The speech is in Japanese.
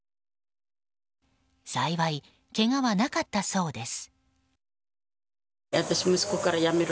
幸い、けがはなかったそうです。